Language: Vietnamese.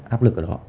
hát lực ở đó